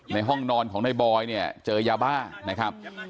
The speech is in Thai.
ในห้องนอนของในบอยเนี่ยเจอยาบ้านะครับ